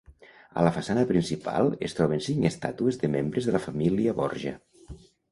A la façana principal es troben cinc estàtues de membres de la Família Borja.